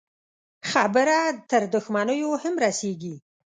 خبره تر دښمنيو هم رسېږي.